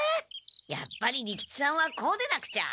やっぱり利吉さんはこうでなくちゃ。